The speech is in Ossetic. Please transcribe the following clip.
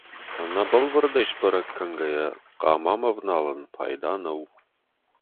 Ӕнӕ бӕлвырдӕй сбӕрӕг кӕнгӕйӕ, хъамамӕ ӕвналын пайда нӕу.